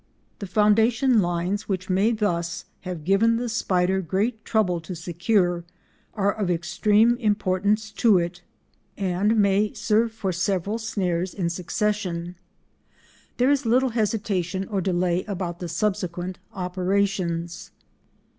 The foundation lines which may thus have given the spider great trouble to secure, are of extreme importance to it, and may serve for several snares in succession. There is little hesitation or delay about the subsequent operations.